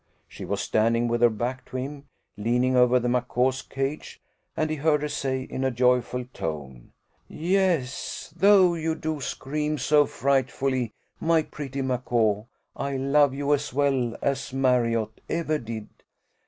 She was standing with her back to him, leaning over the macaw's cage, and he heard her say in a joyful tone, "Yes, though you do scream so frightfully, my pretty macaw, I love you as well as Marriott ever did.